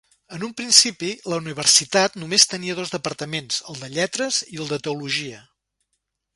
En un principi, la universitat només tenia dos departaments, el de Lletres i el de Teologia.